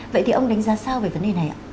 vậy thì ông đánh giá sao về vấn đề này ạ